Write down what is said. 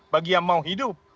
bagi yang mau hidup